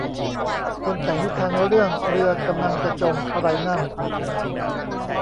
คนแต่งนิทานเรื่อง เรือกำลังจะจม อะไรนั่น